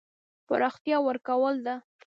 پراختیا ورکول ده.